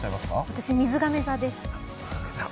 私、みずがめ座です。